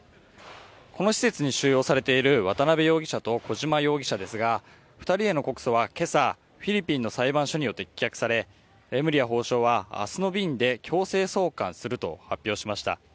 この施設に収容されている渡辺容疑者と小島容疑者ですが２人への告訴は今朝フィリピンの裁判所によって棄却されレムリヤ法相は明日の便で強制送還すると発表しました。